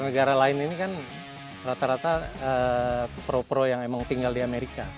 negara lain ini kan rata rata pro pro yang emang tinggal di amerika